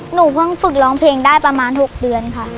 หนูเพิ่งฝึกร้องเพลงได้ประมาณ๖เดือนค่ะ